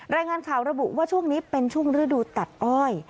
รายงานข่าวระบุว่าช่วงนี้เป็นช่วงฤดูตัดอ้อย